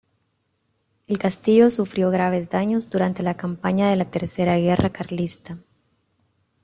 El castillo sufrió graves daños durante las campañas de la Tercera Guerra Carlista.